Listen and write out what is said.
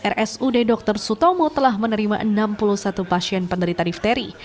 rsud dr sutomo telah menerima enam puluh satu pasien penderita difteri